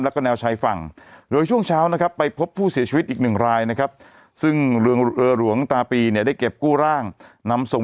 รายนะครับซึ่งเรือหลวงตาปีเนี่ยได้เก็บกู้ร่างนำส่ง